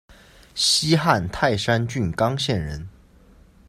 西汉泰山郡刚县人。